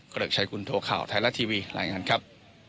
ริกชัยคุณโทข่าวไทยรัฐทีวีรายงานครับ